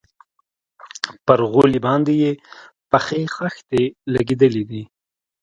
پر غولي باندې يې پخې خښتې لگېدلي دي.